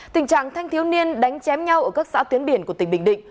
tình trạng thanh thiếu niên đánh chém nhau ở các xã tuyến biển của tỉnh bình định